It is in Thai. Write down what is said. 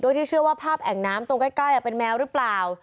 ที่เชื่อว่าภาพแอ่งน้ำตรงใกล้เป็นแมวหรือเปล่า